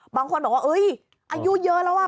บางคนบอกว่าอายุเยอะแล้วอ่ะ